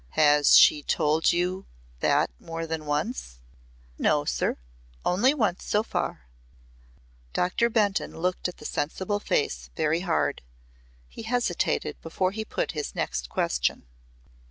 "Has she told you that more than once?" "No, sir. Only once so far." Doctor Benton looked at the sensible face very hard. He hesitated before he put his next question.